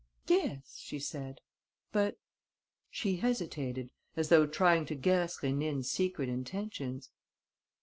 "Yes," she said, "but...." She hesitated, as though trying to guess Rénine's secret intentions.